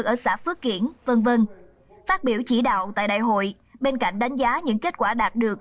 ở xã phước kiển v v phát biểu chỉ đạo tại đại hội bên cạnh đánh giá những kết quả đạt được